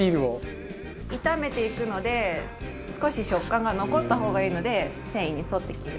炒めていくので少し食感が残った方がいいので繊維に沿って切る。